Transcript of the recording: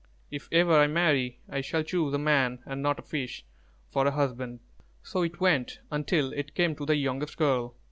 If ever I marry, I shall choose a man, and not a fish, for a husband." So it went until it came to the youngest girl.